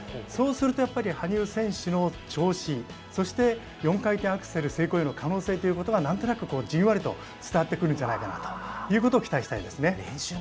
そうするとやっぱり羽生選手の調子、そして４回転アクセル成功への可能性ということがなんとなくじんわりと伝わってくるんじゃないかなということを期待したいですね。